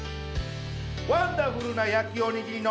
ワンダフルな焼きおにぎりの！